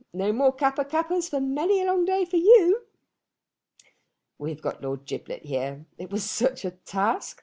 No more Kappa kappas for many a long day for you! "We have got Lord Giblet here. It was such a task!